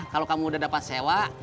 kalau kamu udah dapat sewa